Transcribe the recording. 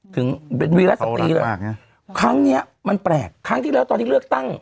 ถึงเป็นวีรสตรีเลยครั้งเนี้ยมันแปลกครั้งที่แล้วตอนที่เลือกตั้ง